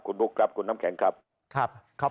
คุณลุคครับคุณน้ำแข็งครับครับครับ